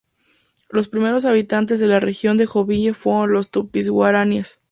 Los primeros habitantes de la región de Joinville fueron los tupis-guaraníes.